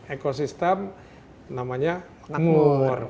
ekosistem namanya makmur